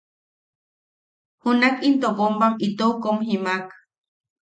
Junak into bombam itou kom jimaak.